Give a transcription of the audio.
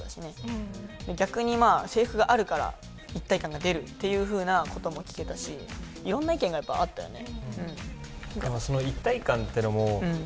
逆に制服があるから一体感が出るっていうふうなことも聞けたしいろんな意見がやっぱあったよね。